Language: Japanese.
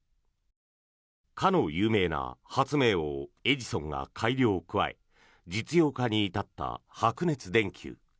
かの有名な発明王、エジソンが改良を加え実用化に至った白熱電球。